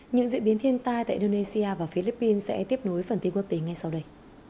những diễn biến thiên tai tại indonesia và philippines sẽ tiếp nối phần tin quốc tế ngay sau đây